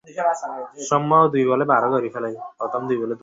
তিনি চার দশকেরও বেশি সময় ধরে অধিষ্ঠিত ছিলেন।